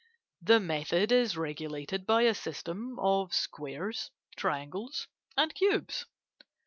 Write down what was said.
The method is regulated by a system of squares, triangles, and cubes.